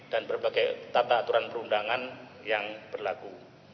dan berbagai tata aturan perundangan yang berlaku